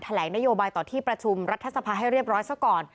แถลงนโยบายต่อที่ประชุมรัฐอสัมผัสให้เรียบร้อยเช่าก่อน